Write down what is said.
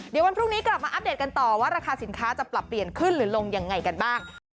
เดี๋ยววันพรุ่งนี้กลับมาอัปเดตกันต่อว่าราคาสินค้าจะปรับเปลี่ยนขึ้นหรือลงยังไงกันบ้าง